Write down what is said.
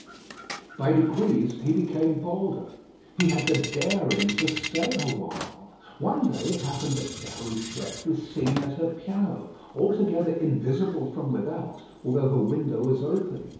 By degrees he became bolder. He had the daring to stay awhile. One day it happened that Déruchette was singing at her piano, altogether invisible from without, although her window was open.